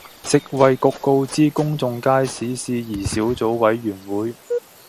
食衞局告知公眾街市事宜小組委員會